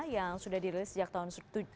yang sudah dirilis sejak tahun dua ribu tujuh belas